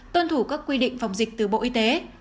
tuân thủ các quy định phòng dịch từ bộ y tế